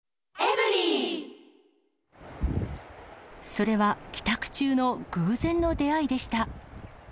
それは、帰宅中の偶然の出会いでした。